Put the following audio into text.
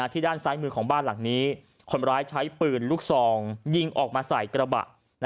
ด้านซ้ายมือของบ้านหลังนี้คนร้ายใช้ปืนลูกซองยิงออกมาใส่กระบะ